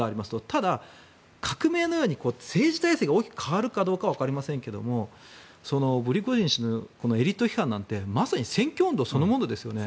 ただ、革命のように政治体制が大きく変わるかどうかはわかりませんがプリゴジン氏のエリート批判なんてまさに選挙運動そのものですよね。